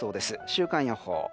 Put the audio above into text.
週間予報。